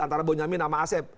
antara bonyamin sama asep